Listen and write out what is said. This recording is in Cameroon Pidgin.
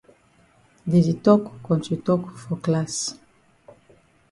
Dey di tok kontri tok for class.